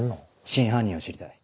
真犯人を知りたい。